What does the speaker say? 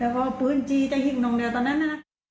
แล้วก็ปืนจีจะยิ่งน้องเดียวตอนนั้นน่ะ